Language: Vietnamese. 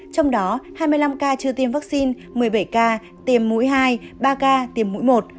trong đó hai mươi năm ca chưa tiêm vaccine một mươi bảy ca tiềm mũi hai ba ca tiềm mũi một